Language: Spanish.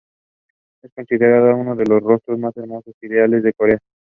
Es considerada uno de los rostros más hermosos e ideales en Corea.